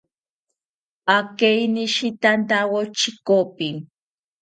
Akeinishitantawo chekopi